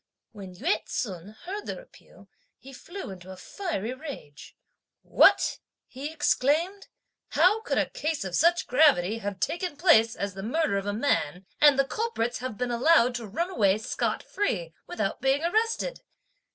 When Yü ts'un heard their appeal, he flew into a fiery rage. "What!" he exclaimed. "How could a case of such gravity have taken place as the murder of a man, and the culprits have been allowed to run away scot free, without being arrested?